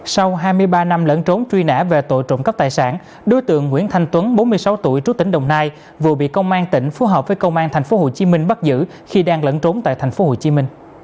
sau hai mươi ba năm lẫn trốn truy nã về tội trộm cắp tài sản đối tượng nguyễn thanh tuấn bốn mươi sáu tuổi trú tỉnh đồng nai vừa bị công an tỉnh phù hợp với công an tp hcm bắt giữ khi đang lẫn trốn tại tp hcm